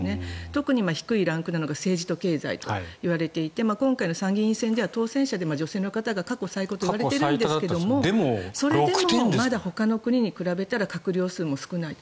特に低いランクというのは政治経済といわれていて今回の参議院選では当選者の中で女性の方が過去最高といわれているんですがそれでもまだほかの国に比べたら閣僚数も少ない。